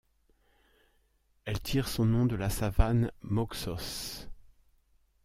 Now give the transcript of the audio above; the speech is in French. Elle tire son nom de la savane Moxos.